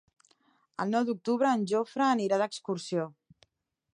El nou d'octubre en Jofre anirà d'excursió.